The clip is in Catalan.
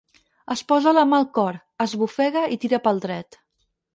Es posa la mà al cor, esbufega i tira pel dret.